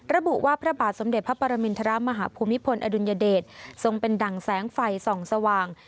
ระบุว่าพระบาทสมเด็จพระปรมินทรมาฮภูมิพลอดุลยเดชทรงเป็นดั่งแสงไฟส่องสว่าง